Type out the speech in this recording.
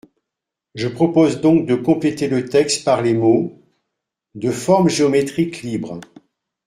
Je propose donc de compléter le texte par les mots « de forme géométrique libre ».